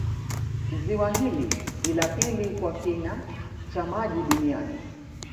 Ziwa hili ni la pili kwa kina cha maji duniani